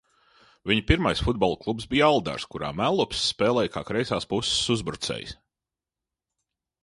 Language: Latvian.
Viņa pirmais futbola klubs bija Aldaris, kurā Mellups spēlēja kā kreisās puses uzbrucējs.